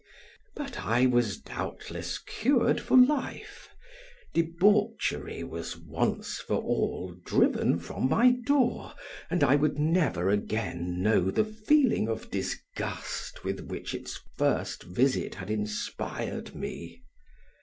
But I was doubtless cured for life; debauchery was once for all driven from my door and I would never again know the feeling of disgust with which its first visit had inspired me.